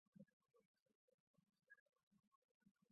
我觉得太痛苦了